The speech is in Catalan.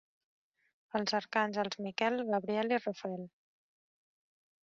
Els arcàngels Miquel, Gabriel i Rafael.